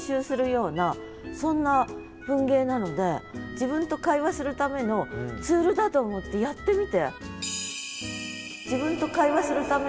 自分と会話するためのツールだと思ってやってみて。